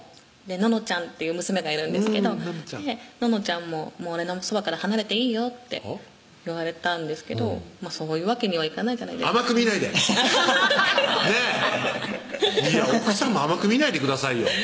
希々ちゃんっていう娘がいるんですけど「希々ちゃんも俺のそばから離れていいよ」と言われたんですがそういうわけにはいかない甘く見ないでねぇいや奥さま甘く見ないでくださいよ